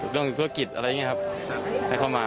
ธุรกิจอะไรอย่างนี้ครับให้เข้ามา